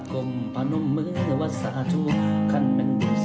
คุณพี่จ๋า